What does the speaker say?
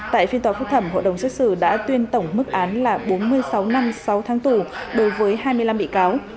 tại phiên tòa phúc thẩm hội đồng xét xử đã tuyên tổng mức án là bốn mươi sáu năm sáu tháng tù đối với hai mươi năm bị cáo